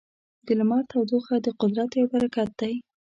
د لمر تودوخه د قدرت یو برکت دی.